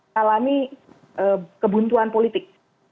kalami kebuntuan politik